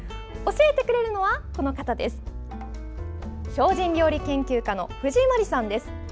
教えてくれるのは精進料理研究家の藤井まりさんです。